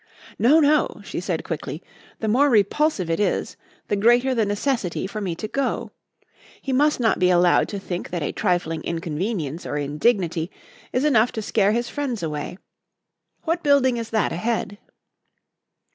"No, no," she said quickly; "the more repulsive it is the greater the necessity for me to go. He must not be allowed to think that a trifling inconvenience or indignity is enough to scare his friends away. What building is that ahead?"